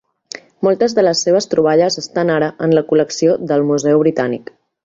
Moltes de les seves troballes estan ara en la col·lecció del Museu britànic.